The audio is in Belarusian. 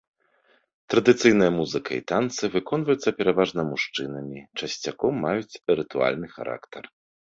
Традыцыйная музыка і танцы выконваюцца пераважна мужчынамі, часцяком маюць рытуальны характар.